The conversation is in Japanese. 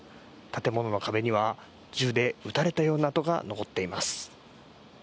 建物の壁には銃で撃たれたような痕が残っています。